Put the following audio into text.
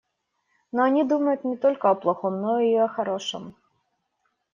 Но они думают не только о плохом, но и о хорошем.